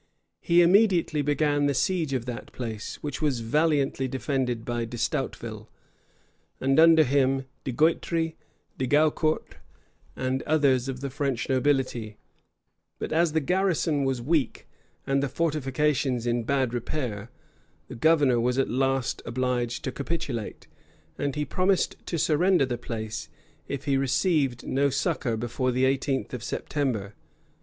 He immediately began the siege of that place, which was valiantly defended by D'Estouteville, and under him by De Guitri, De Gaucourt, and others of the French nobility; but as the garrison was weak, and the fortifications in bad repair, the governor was at last obliged to capitulate; and he promised to surrender the place, if he received no succor before the eighteenth of September.